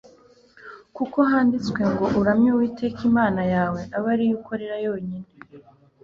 Kuko handitswe ngo Uramye Uwiteka Imana yawe, abe ari yo ukorera yonyine.